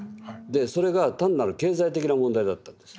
それが単なる経済的な問題だったんです。